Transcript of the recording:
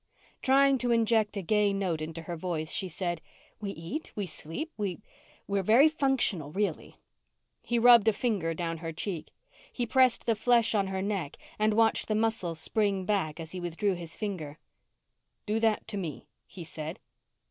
Trying to inject a gay note into her voice, she said, "We eat, we sleep, we we're very functional, really." He rubbed a finger down her cheek. He pressed the flesh on her neck and watched the muscle spring back as he withdrew his finger. "Do that to me," he said.